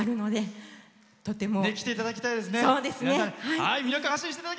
来ていただきたいですね。